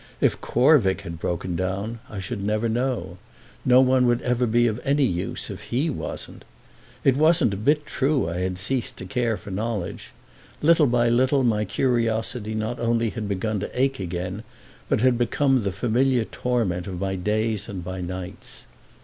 If Corvick had broken down I should never know; no one would be of any use if he wasn't. It wasn't a bit true I had ceased to care for knowledge; little by little my curiosity not only had begun to ache again, but had become the familiar torment of my days and my nights.